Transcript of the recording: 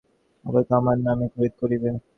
আপাতত আমার নামে খরিদ করিবে।